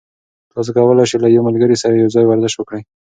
تاسي کولای شئ له یو ملګري سره یوځای ورزش وکړئ.